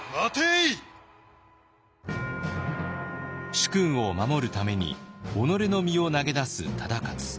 主君を守るために己の身を投げ出す忠勝。